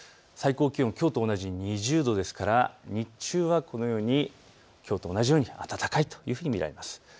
最高気温、きょうと同じ２０度ですから日中はこのようにきょうと同じ、暖かいというふうに見られます。